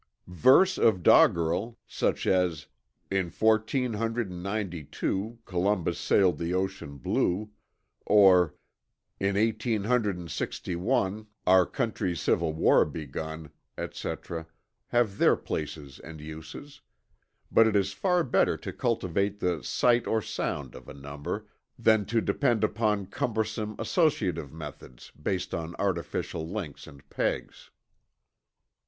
Verse of doggerel, such as "In fourteen hundred and ninety two, Columbus sailed the ocean blue;" or "In eighteen hundred and sixty one, our country's Civil war begun," etc., have their places and uses. But it is far better to cultivate the "sight or sound" of a number, than to depend upon cumbersome associative methods based on artificial links and pegs.